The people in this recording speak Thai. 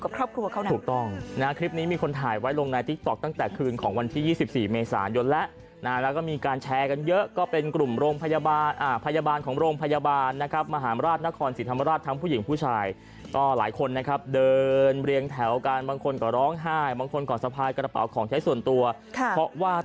ครอบครัวเขานะถูกต้องนะคลิปนี้มีคนถ่ายไว้ลงในติ๊กต๊อกตั้งแต่คืนของวันที่๒๔เมษายนแล้วนะแล้วก็มีการแชร์กันเยอะก็เป็นกลุ่มโรงพยาบาลอ่าพยาบาลพยาบาลของโรงพยาบาลนะครับมหาราชนครศรีธรรมราชทั้งผู้หญิงผู้ชายก็หลายคนนะครับเดินเรียงแถวกันบางคนก็ร้องไห้บางคนก็สะพายกระเป๋าของใช้ส่วนตัวค่ะเพราะว่า